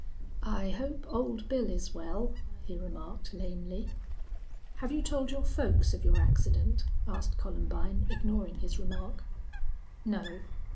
"I hope Old Bill is well," he remarked, lamely. "Have you told your folks of your accident?" asked Columbine, ignoring his remark. "No."